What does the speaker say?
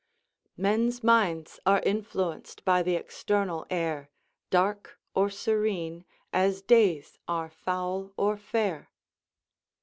"Men's minds are influenc'd by th' external air, Dark or serene, as days are foul or fair."